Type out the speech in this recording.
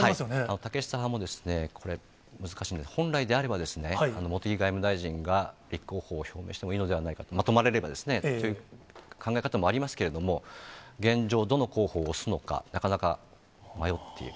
竹下派も、これ、難しいんですが、本来であれば、茂木外務大臣が立候補を表明してもいいのではないか、まとまれればですね、考え方もありますけれども、現状、どの候補を推すのか、なかなか迷っている。